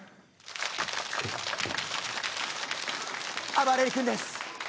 あばれる君です。